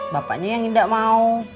bapaknya yang gak mau